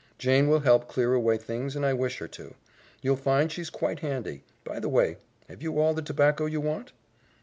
Jane will help clear away things and I wish her to. You'll find she's quite handy. By the way, have you all the tobacco you want?"